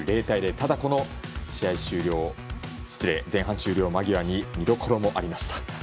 ただ、この前半終了間際に見どころもありました。